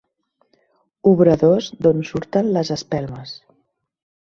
Obradors d'on surten les espelmes.